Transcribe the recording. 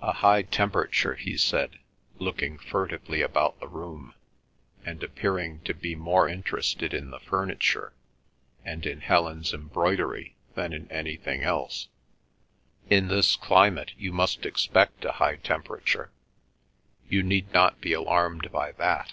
"A high temperature," he said, looking furtively about the room, and appearing to be more interested in the furniture and in Helen's embroidery than in anything else. "In this climate you must expect a high temperature. You need not be alarmed by that.